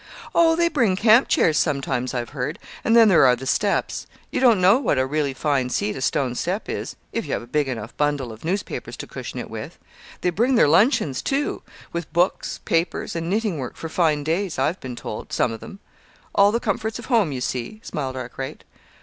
"Oh, they bring camp chairs, sometimes, I've heard, and then there are the steps. You don't know what a really fine seat a stone step is if you have a big enough bundle of newspapers to cushion it with! They bring their luncheons, too, with books, papers, and knitting work for fine days, I've been told some of them. All the comforts of home, you see," smiled Arkwright.